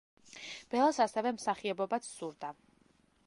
ბელას ასევე მსახიობობობაც სურდა.